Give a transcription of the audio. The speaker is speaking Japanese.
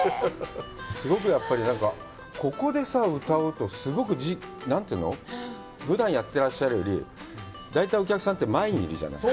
すごくやっぱり、ここで歌うと、何というの、ふだんやってらっしゃるより大体、お客さんって前にいるじゃない。